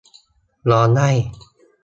ร้องไห้